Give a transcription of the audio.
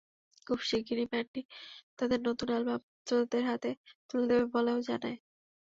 খুব শিগগিরই ব্যান্ডটি তাদের নতুন অ্যালবাম শ্রোতাদের হাতে তুলে দেবে বলেও জানায়।